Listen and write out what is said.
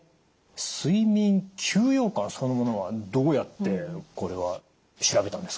睡眠休養感そのものはどうやってこれは調べたんですか？